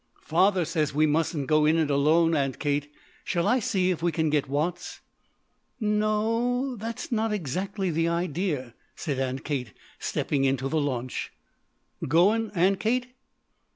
"Father says we mustn't go in it alone, Aunt Kate. Shall I see if we can get Watts?" "N o; that's not exactly the idea," said Aunt Kate, stepping into the launch. "Goin', Aunt Kate?"